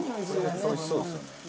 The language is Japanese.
おいしそうですよね。